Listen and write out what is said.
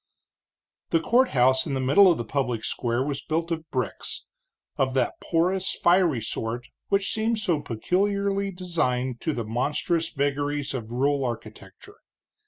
The courthouse in the middle of the public square was built of bricks, of that porous, fiery sort which seem so peculiarly designed to the monstrous vagaries of rural architecture.